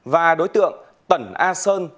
và đối tượng tẩn a sơn